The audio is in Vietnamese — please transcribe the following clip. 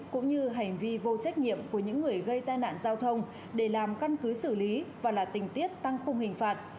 cũng như hành vi vô trách nhiệm của những người gây tai nạn giao thông để làm căn cứ xử lý và là tình tiết tăng khung hình phạt